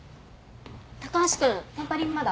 高橋君テンパリングまだ？